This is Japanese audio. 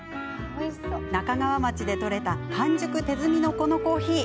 那珂川町で取れた完熟手摘みのこのコーヒー。